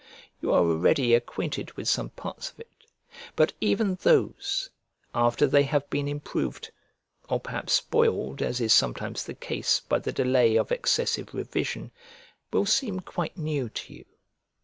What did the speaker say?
You are already acquainted with some parts of it; but even those, after they have been improved (or perhaps spoiled, as is sometimes the case by the delay of excessive revision) will seem quite new to you.